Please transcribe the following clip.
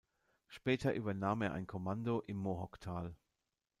Später übernahm er ein Kommando im Mohawk-Tal.